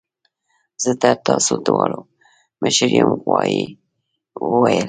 زه تر تاسو دواړو مشر یم غوايي وویل.